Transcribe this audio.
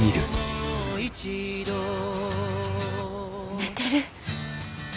寝てる。